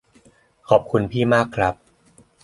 ขอบคุณพี่มากครับ